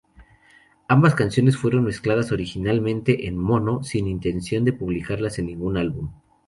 Ambas canciones fueron mezcladas originalmente en mono, sin intención de publicarlas en ningún álbum.